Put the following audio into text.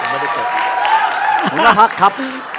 หัวหน้าพักครับ